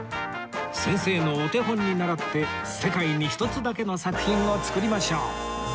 先生のお手本に倣って世界に一つだけの作品を作りましょう